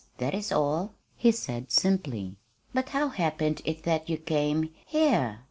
That is all," he said simply. "But how happened it that you came here?"